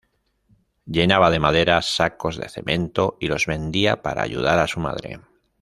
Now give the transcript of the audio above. Llenaba de madera sacos de cemento y los vendía para ayudar a su madre.